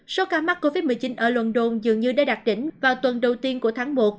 số ca mắc covid một mươi chín ở london dường như đã đạt đỉnh vào tuần đầu tiên của tháng một